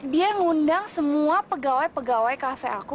dia yang ngundang semua pegawai pegawai kafe aku